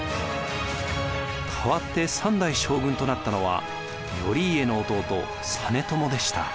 代わって３代将軍となったのは頼家の弟実朝でした。